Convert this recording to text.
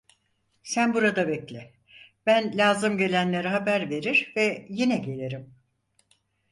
Sen burada bekle, ben lazım gelenlere haber verir ve yine gelirim!